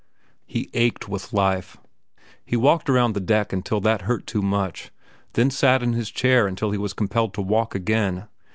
He ached with life. He walked around the deck until that hurt too much, then sat in his chair until he was compelled to walk again.